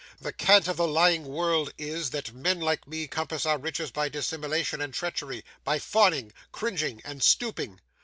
The cant of the lying world is, that men like me compass our riches by dissimulation and treachery: by fawning, cringing, and stooping.